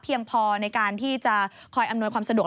พอในการที่จะคอยอำนวยความสะดวก